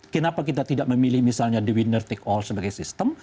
kenapa kita tidak memilih misalnya the winner take all sebagai sistem